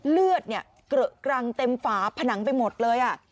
เลือดเนี่ยเกลอะกรังเต็มฝาผนังไปหมดเลย